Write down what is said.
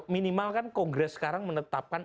minimal kan kongres sekarang menetapkan